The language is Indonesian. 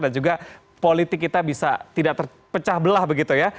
dan juga politik kita bisa tidak terpecah belah begitu ya